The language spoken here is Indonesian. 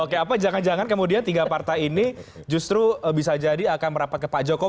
oke apa jangan jangan kemudian tiga partai ini justru bisa jadi akan merapatkan